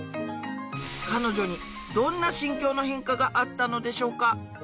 彼女にどんな心境の変化があったのでしょうか？